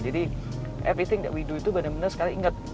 jadi everything that we do itu benar benar sekali ingat